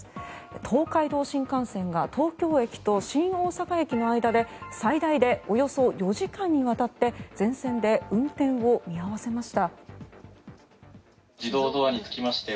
東海道新幹線が東京駅と新大阪駅の間で最大でおよそ４時間にわたって全線で運転を見合わせました。